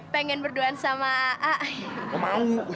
pengen berduaan sama